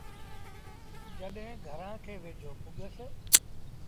جڏهيݩ گھرآݩ کي ويجھو پُڳس۔